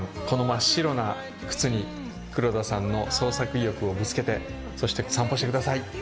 この真っ白な靴に黒田さんの創作意欲をぶつけてそして散歩してください